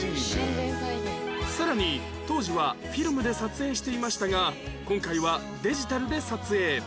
さらに当時はフィルムで撮影していましたが今回はデジタルで撮影